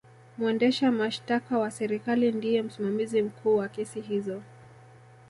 mwendesha mashtaka wa serikali ndiye msimamizi mkuu wa kesi hizo